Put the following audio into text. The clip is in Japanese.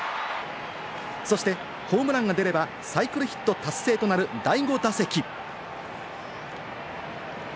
そしてホームランが出れば、サイクルヒット達成となる第５打席。